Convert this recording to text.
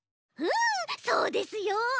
うんそうですよ！